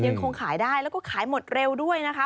ยังคงขายได้แล้วก็ขายหมดเร็วด้วยนะคะ